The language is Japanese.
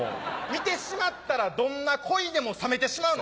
見てしまったらどんな恋でも冷めてしまうの。